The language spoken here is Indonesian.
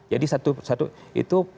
jadi satu per satu itu